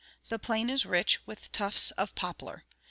The plain is rich with tufts of poplar.